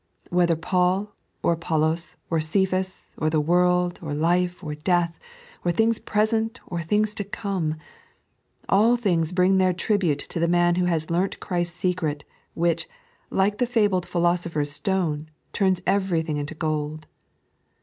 Whether Paul, or Apollos, or Cephas, or the world, or life, or death, or tbings present, or things to come — all things bring their tribute to the man who has leamt Christ's secret, which, like the fabled philosopher's stone, turns everything into gold.